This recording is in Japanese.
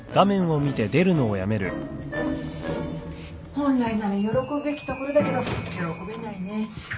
本来なら喜ぶべきところだけど喜べないね。